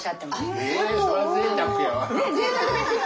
ねっぜいたくですよね。